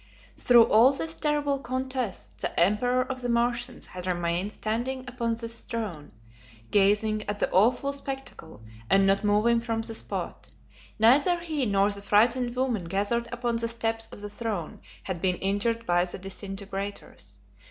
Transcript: Through all this terrible contest the emperor of the Martians had remained standing upon his throne, gazing at the awful spectacle, and not moving from the spot. Neither he nor the frightened woman gathered upon the steps of the throne had been injured by the disintegrators.